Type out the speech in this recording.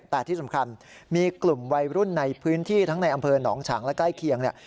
แต่ที่สำคัญมีกลุ่มวัยรุ่นในพื้นที่ทั้งในอำเภอหนองฉางและใกล้เคียงเนี่ย